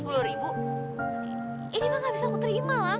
ini mah nggak bisa aku terima lang